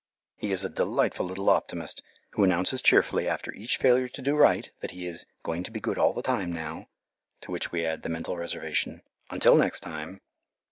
He is a delightful little optimist, who announces cheerfully after each failure to do right that he is "going to be good all the time now," to which we add the mental reservation, "until next time."